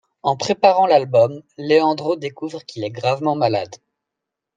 En préparant l'album Leandro découvre qu'il est gravement malade.